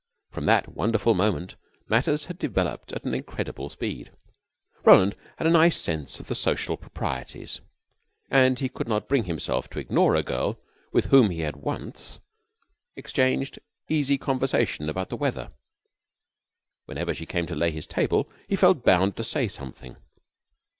From that wonderful moment matters had developed at an incredible speed. Roland had a nice sense of the social proprieties, and he could not bring himself to ignore a girl with whom he had once exchanged easy conversation about the weather. Whenever she came to lay his table, he felt bound to say something.